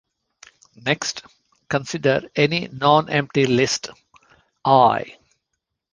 Next, consider any nonempty list "I".